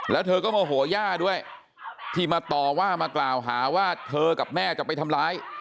แล้วเธอก็โมโหย่าด้วยที่มาต่อว่ามากล่าวหาว่าเธอกับแม่จะไปทำร้าย